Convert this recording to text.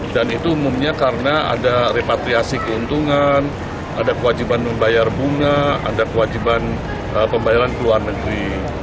dan itu umumnya karena ada repatriasi keuntungan ada kewajiban membayar bunga ada kewajiban pembayaran keluar negeri